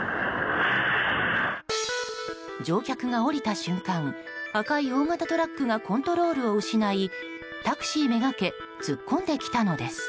乗客が降りた瞬間赤い大型トラックがコントロールを失いタクシー目がけ突っ込んできたのです。